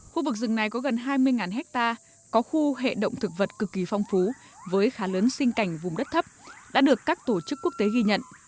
khu vực rừng này có gần hai mươi hectare có khu hệ động thực vật cực kỳ phong phú với khá lớn sinh cảnh vùng đất thấp đã được các tổ chức quốc tế ghi nhận